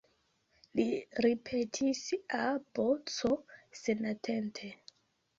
Li ripetis, A, B, C, senatente.